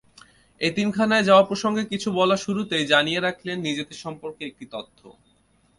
এতিমখানায় যাওয়া প্রসঙ্গে কিছু বলার শুরুতেই জানিয়ে রাখলেন নিজের সম্পর্কে একটি তথ্য।